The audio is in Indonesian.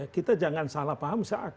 kita jangan salah paham